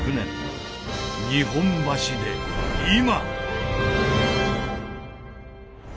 日本橋で今！